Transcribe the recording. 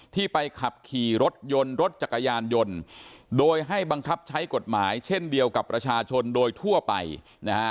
ที่ไปขับขี่รถยนต์รถจักรยานยนต์โดยให้บังคับใช้กฎหมายเช่นเดียวกับประชาชนโดยทั่วไปนะฮะ